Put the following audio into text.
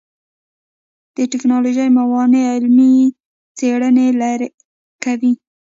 د ټکنالوژۍ موانع علمي څېړنې لرې کوي.